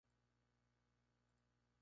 Deild son equipos reservas.